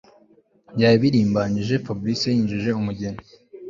byari birimbanyije Fabric yinjije umugeni